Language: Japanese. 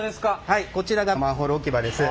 はいこちらがマンホール置き場です。